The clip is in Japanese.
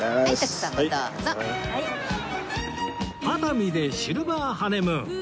熱海でシルバーハネムーン